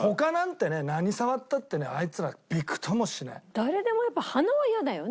誰でもやっぱ鼻は嫌だよね。